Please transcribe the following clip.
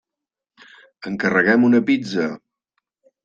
Encarreguem una pizza?